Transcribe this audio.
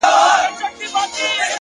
علم د بریا اساسي شرط دی.!